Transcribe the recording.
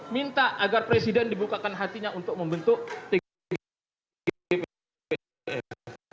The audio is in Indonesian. minta agar presiden dibukakan hatinya untuk membentuk tgpf